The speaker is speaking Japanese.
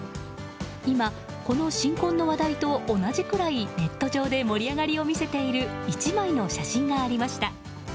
今、この新婚の話題と同じくらいネット上で盛り上がりを見せている１枚の写真がありました。